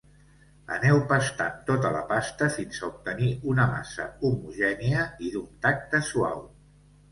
Aneu pastant tota la pasta fins a obtenir una massa homogènia i d'un tacte suau.